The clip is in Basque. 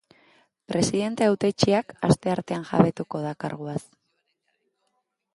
Presidente hautetsiak asteartean jabetuko da karguaz.